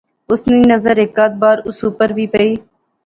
اس نی نظر ہیک آدھ بار اس اوپر وی پئی